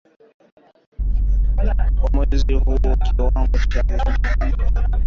Kwa mwezi huo, kiwango cha usafirishaji kilikuwa juu zaidi kutoka dola milioni ishirini na tisa